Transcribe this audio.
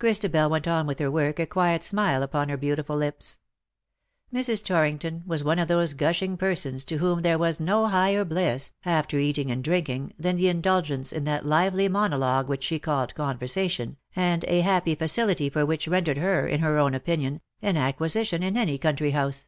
Christabel went on with her work, a quiet smile upon her beautiful lips. Mrs. Torrington was one of those gushing persons to whom there was no higher bliss, after eating and drinking, than the indulgence in that lively monologue which she called conversation, and a happy facility for which rendered her, in her own opinion, an acquisition in any country house.